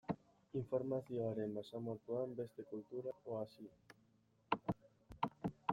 Informazioaren basamortuan, beste kulturak oasi.